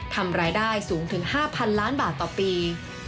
ทำรายได้สูงถึง๕๐๐๐ล้านบาทต่อปี